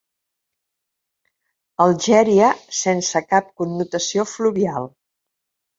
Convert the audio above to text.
Algèria sense cap connotació fluvial.